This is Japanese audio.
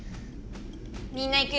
みんな行くよ！